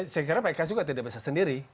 saya kira pks juga tidak bisa sendiri